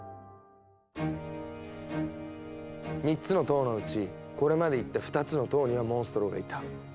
３つの塔のうちこれまで行った２つの塔にはモンストロがいた。